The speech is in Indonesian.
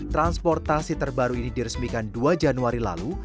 transportasi terbaru ini diresmikan dua januari lalu